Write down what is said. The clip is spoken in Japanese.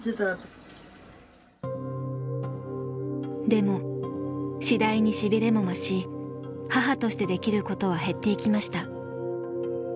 でも次第に痺れも増し母としてできることは減っていきました。